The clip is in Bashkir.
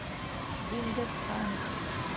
Диңгеҙхан!